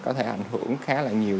có thể ảnh hưởng khá là nhiều